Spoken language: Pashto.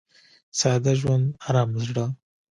• ساده ژوند، ارامه زړه.